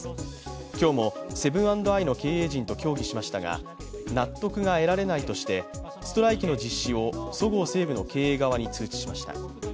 今日もセブン＆アイの経営陣と協議しましたが納得が得られないとして、ストライキの実施をそごう・西武の経営側に通知しました。